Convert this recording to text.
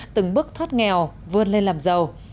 từng bước thoát nghèo vươn lên làm giàu